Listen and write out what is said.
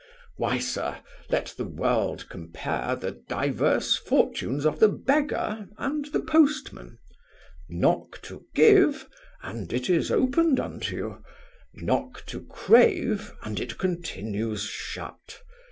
Why, sir, let the world compare the diverse fortunes of the beggar and the postman: knock to give, and it is opened unto you: knock to crave, and it continues shut.